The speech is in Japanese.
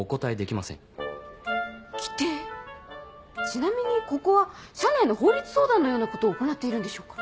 ちなみにここは社内の法律相談のようなことを行っているんでしょうか？